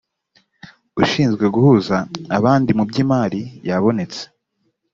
ushinzwe guhuza abandi mu by’imari yabonetse